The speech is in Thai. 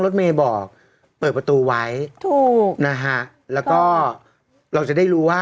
รถเมย์บอกเปิดประตูไว้ถูกนะฮะแล้วก็เราจะได้รู้ว่า